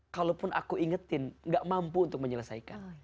kalaupun aku ingetin gak mampu untuk menyelesaikan